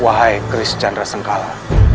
wahai chris chandrasekala